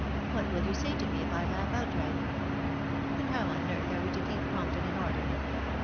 What will you say to me if I laugh outright ? And how on earth are we to keep Compton in order?